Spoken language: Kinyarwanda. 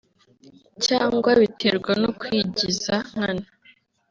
cyangwa biterwa no kwigiza nkana